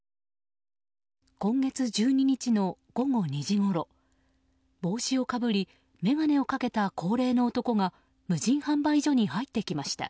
今月１２日の午後２時ごろ帽子をかぶり眼鏡をかけた高齢の男が無人販売所に入ってきました。